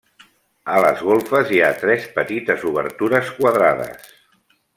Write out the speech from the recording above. A les golfes, hi ha tres petites obertures quadrades.